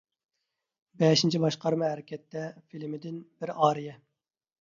«بەشىنچى باشقارما ھەرىكەتتە» فىلىمىدىن بىر ئارىيە.